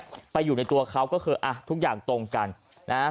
นั้นไปอยู่ในตัวเขาก็คือทุกอย่างตรงกันสุดท้ายก็รับสารภาพ